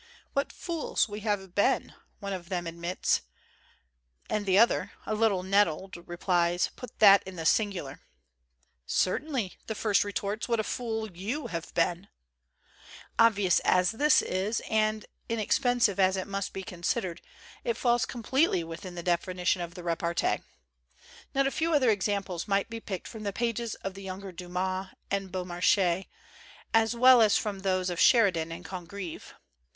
"What fools we have been !" one of them admits; and the other, a little nettled, replies, "Put that in the singu lar." "Certainly/ 5 the first retorts; "what a fool you have beej^ilL^ Obvious as this is, and inexpensive as it mustS^i considered, it falls com pletely within the definition of the repartee. Not a few other examples might be picked from the pages of the younger Dumas and Beau marchais, as well as from those of Sheridan and Congreve.